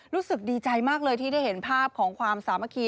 รู้สึกดีใจมากเลยที่ได้เห็นภาพของความสามัคคี